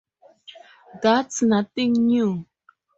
That's nothing new.